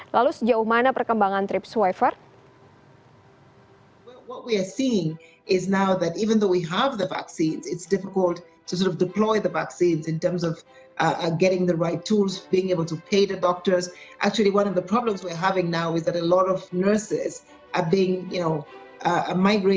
lalu sejauh mana perkembangan trips wifi